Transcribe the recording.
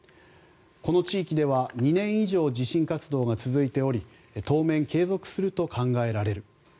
この地域では２年以上地震活動が続いており当面継続すると考えられる。